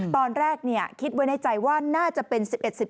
ตอนแรกคิดไว้ในใจว่าน่าจะเป็น๑๑๑๑